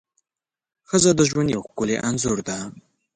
ښځه د ژوند یو ښکلی انځور ده.